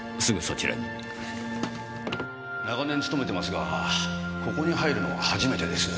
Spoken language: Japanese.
長年勤めてますがここに入るのは初めてです。